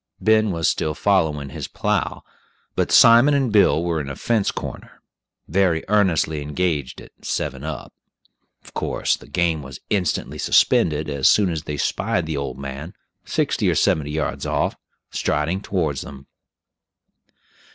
Ben was still following his plow, but Simon and Bill were in a fence corner, very earnestly engaged at "seven up." Of course the game was instantly suspended as soon as they spied the old man, sixty or seventy yards off, striding towards them.